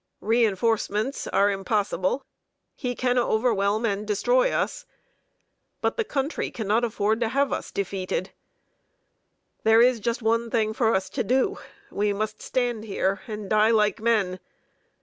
Re enforcements are impossible; he can overwhelm and destroy us. But the country cannot afford to have us defeated. There is just one thing for us to do; we must stand here and die like men!